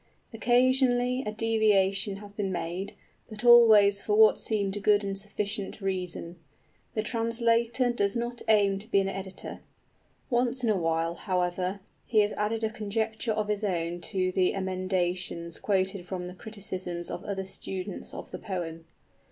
Occasionally a deviation has been made, but always for what seemed good and sufficient reason. The translator does not aim to be an editor. Once in a while, however, he has added a conjecture of his own to the emendations quoted from the criticisms of other students of the poem.